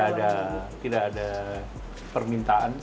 jadi tidak ada permintaan